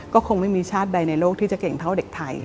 ก็คงไม่มีชาติใดในโลกที่จะเก่งเท่าเด็กไทย